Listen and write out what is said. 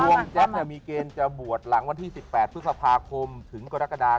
จรวงแจ็คเนี่ยมีเกณฑ์จะบวชหลังวันที่๑๘พฤษภาคมถึงกะดะกะดา